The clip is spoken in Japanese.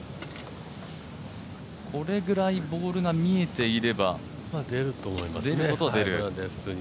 これぐらいボールが見えていれば出ることは出る。